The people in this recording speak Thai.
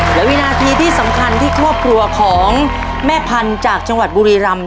และวินาทีที่สำคัญที่ครอบครัวของแม่พันธุ์จากจังหวัดบุรีรำ